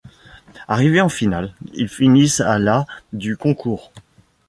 Arrivés en finale, ils finissent à la du concours.